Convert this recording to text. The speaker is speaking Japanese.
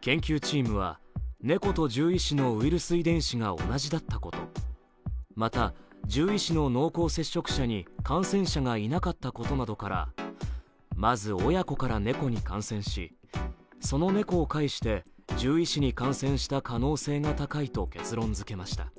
研究チームはネコと獣医師のウイルス遺伝子が同じだったことまた獣医師の濃厚接触者に感染者がいなかったことなどからまず親子からネコに感染し、そのネコを介して獣医師に感染した可能性が高いと結論づけました。